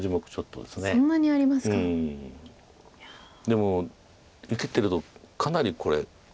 でも生きてるとかなりこれ。